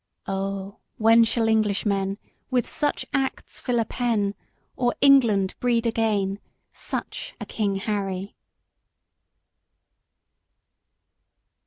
O when shall Englishmen With such acts fill a pen, Or England breed again Such a King Harry?